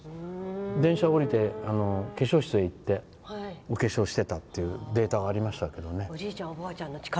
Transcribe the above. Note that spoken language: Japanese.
電車降りて、化粧室へ行ってお化粧してたっていうデータがありましたけどね。